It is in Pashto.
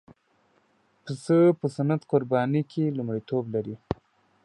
پسه په سنت قربانۍ کې لومړیتوب لري.